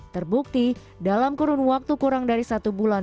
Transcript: terbukti dalam kurun waktu kurang dari satu bulan